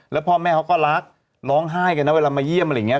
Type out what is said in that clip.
แล้วพ่อแม่เขาก็รักร้องไห้กันนะเวลามาเยี่ยมอะไรอย่างนี้